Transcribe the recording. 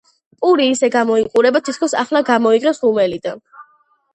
პური ისე გამოიყურება, თითქოს ახლა გამოიღეს ღუმელიდან.